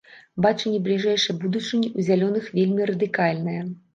Бачанне бліжэйшай будучыні ў зялёных вельмі радыкальнае.